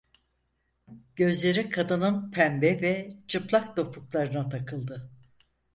Gözleri kadının pembe ve çıplak topuklarına takıldı.